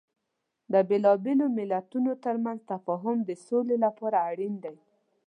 د بیلابیلو مليتونو ترمنځ تفاهم د سولې لپاره اړین دی.